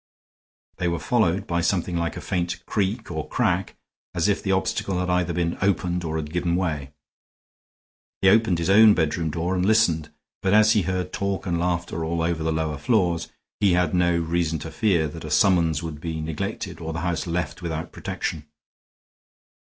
They were followed by something like a faint creak or crack, as if the obstacle had either been opened or had given way. He opened his own bedroom door and listened, but as he heard talk and laughter all over the lower floors, he had no reason to fear that a summons would be neglected or the house left without protection.